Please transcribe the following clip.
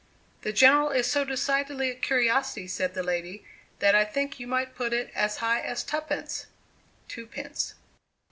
"The General is so decidedly a curiosity," said the lady, "that I think you might put it as high as tuppence!" (two pence.)